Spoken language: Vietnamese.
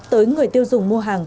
tới người tiêu dùng mua hàng